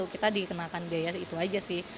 kita dikenakan biaya itu aja sih